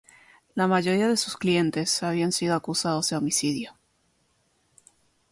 La mayoría de sus clientes habían sido acusados de homicidio.